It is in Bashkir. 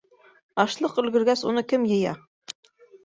Ашлыҡ өлгөргәс, уны кем йыя?